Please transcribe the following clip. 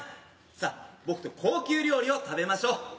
さあ僕と高級料理を食べましょう。